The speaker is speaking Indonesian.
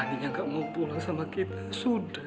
kalau memang raninya gak mau pulang sama kita sudah